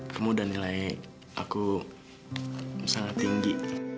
kamu udah nilai aku sangat tinggi